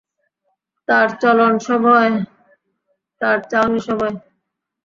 তার চলন সভয়, তার চাউনি সভয়।